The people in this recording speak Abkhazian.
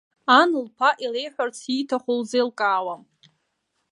Ан лԥа илеиҳәарц ииҭаху лзеилкаауам.